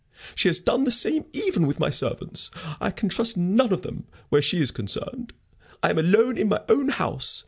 She has done the same even with my servants. I can trust none of them where she is concerned. I am alone in my own house.